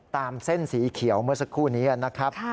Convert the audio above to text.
เส้นสีเขียวเมื่อสักครู่นี้นะครับ